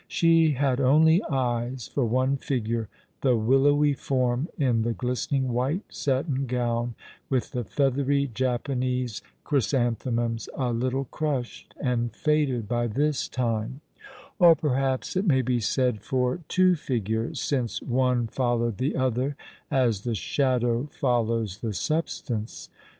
She had only eyes for one figure — the willowy form in the glis tening white satin gown, with the feathery Japanese chry santhemums, a little crushed and faded by this time; or perhaps it may be said for two figures, since one followed the other as the shadow follows the substance.